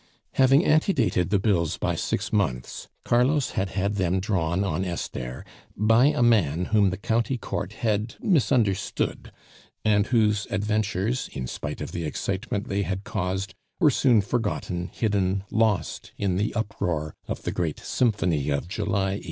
Having antedated the bills by six months, Carlos had had them drawn on Esther by a man whom the county court had "misunderstood," and whose adventures, in spite of the excitement they had caused, were soon forgotten, hidden, lost, in the uproar of the great symphony of July 1830.